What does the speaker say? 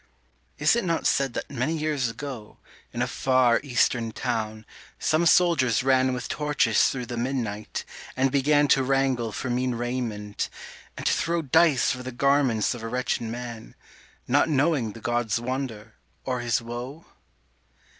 Is it not said that many years ago, In a far Eastern town, some soldiers ran With torches through the midnight, and began To wrangle for mean raiment, and to throw Dice for the garments of a wretched man, Not knowing the God's wonder, or His woe?